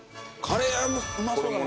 カレーうまそうだ